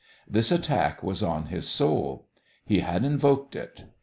This attack was on his soul. He had invoked it.